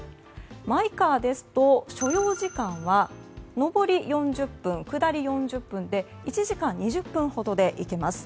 マイカーですと所要時間は上り４０分下り４０分で１時間２０分ほどで行けます。